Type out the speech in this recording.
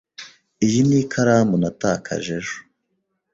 Iyi ni ikaramu natakaje ejo.